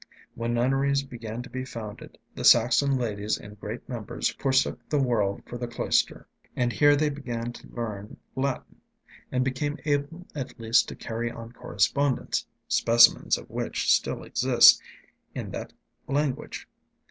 When nunneries began to be founded, the Saxon ladies in great numbers forsook the world for the cloister. And here they began to learn Latin, and became able at least to carry on correspondence specimens of which still exist in that language.